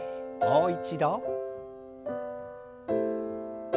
もう一度。